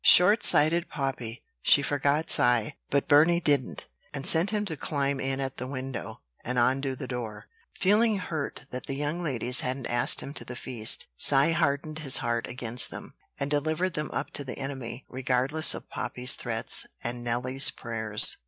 Short sighted Poppy! she forgot Cy; but Burney didn't, and sent him to climb in at the window, and undo the door. Feeling hurt that the young ladies hadn't asked him to the feast, Cy hardened his heart against them, and delivered them up to the enemy, regardless of Poppy's threats and Nelly's prayers.